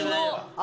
あ